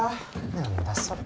何だそれ。